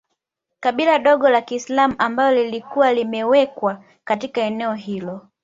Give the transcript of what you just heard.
Kabila dogo la kiislamu ambalo lilikuwa limewekwa katika eneo hilo